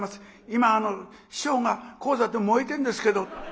今師匠が高座で燃えてんですけど」。